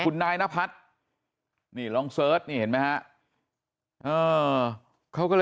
คุณนายนพัฒน์นี่ลองเสิร์ชนี่เห็นไหมฮะเขาก็เลย